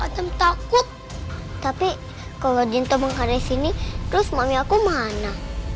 tapi kalau di tempatnya sini terus mami aku mana